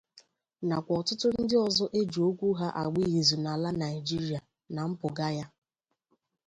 nakwa ọtụtụ ndị ọzọ e ji okwu ha agba ìzù n'ala Nigeria na mpụga ya.